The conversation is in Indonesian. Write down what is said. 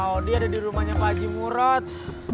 oh dia ada di rumahnya pak jimurot